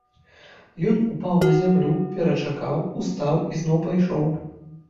Ён упаў на зямлю, перачакаў, устаў і зноў пайшоў.